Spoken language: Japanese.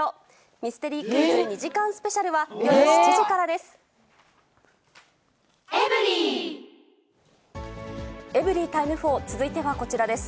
ミステリークイズ２時間スペシャルは夜７時からです。